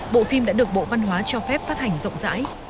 bộ phim đã được bộ văn hóa cho phép phát hành rộng rãi